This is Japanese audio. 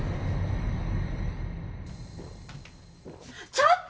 ちょっと！